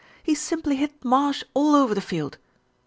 "He simply hit Marsh all over the field."